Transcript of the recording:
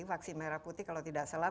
vaksin merah putih kalau tidak salah